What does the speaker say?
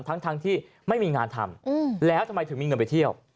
ทั้งที่ไม่มีงานทำแล้วทำไมถึงมีเงินไปเที่ยว